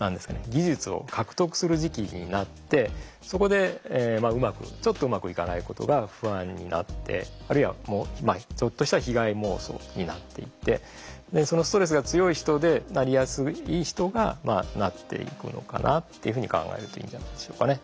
技術を獲得する時期になってそこでちょっとうまくいかないことが不安になってあるいはちょっとした被害妄想になっていってそのストレスが強い人でなりやすい人がなっていくのかなっていうふうに考えるといいんじゃないでしょうかね。